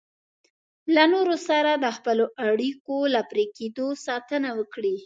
له نورو سره د خپلو اړیکو له پرې کېدو ساتنه وکړئ.